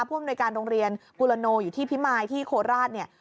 อำนวยการโรงเรียนกุลโนอยู่ที่พิมายที่โคราชเนี่ย